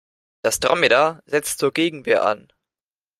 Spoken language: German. Das Dromedar setzt zur Gegenwehr an.